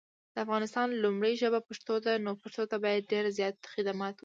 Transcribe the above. د افغانستان لومړی ژبه پښتو ده نو پښتو ته باید دیر زیات خدمات وشي